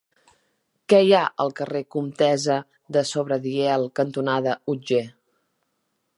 Què hi ha al carrer Comtessa de Sobradiel cantonada Otger?